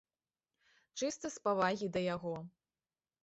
Чыста з павагі да яго.